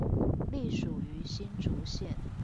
隸屬於新竹縣